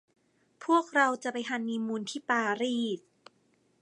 พวกเราจะไปฮันนีมูนที่ปารีส